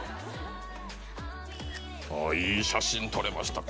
あいい写真撮れました